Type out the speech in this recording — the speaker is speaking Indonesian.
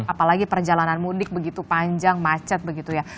apalagi perjalanan mudik begitu panjang macet begitu ya